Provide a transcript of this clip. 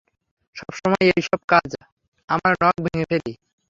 সবসময় এইসব কাজে আমার নখ ভেঙ্গে ফেলি।